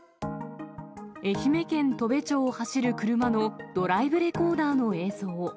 愛媛県砥部町を走る車のドライブレコーダーの映像。